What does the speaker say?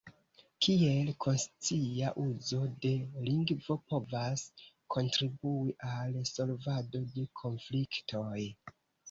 Kiel konscia uzo de lingvo povas kontribui al solvado de konfliktoj?